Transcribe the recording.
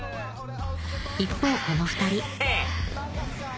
一方この２人ヘッ！